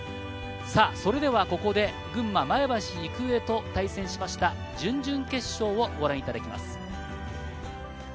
ここで群馬・前橋育英と対戦しました準々決勝をご覧いただきます。